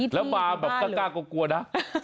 แล้วมาแบบกล้ากลัวนะ